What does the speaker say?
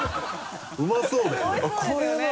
うまそうだよね。